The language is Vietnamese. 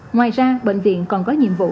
ngoài ra bệnh viện còn có nhiệm vụ